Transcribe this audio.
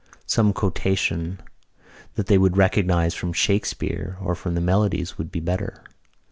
Some quotation that they would recognise from Shakespeare or from the Melodies would be better.